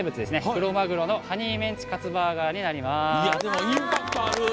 「クロマグロのハニーメンチカツバーガー」です。